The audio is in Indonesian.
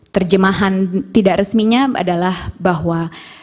terjemahan tidak resminya adalah bahwa